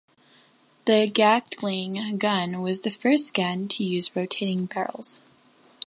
The Gatling gun was the first gun to use rotating barrels.